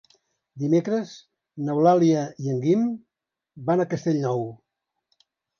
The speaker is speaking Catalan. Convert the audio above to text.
Dimecres n'Eulàlia i en Guim van a Castellnou.